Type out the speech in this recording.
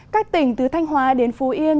các tỉnh từ thanh hóa đến phú yên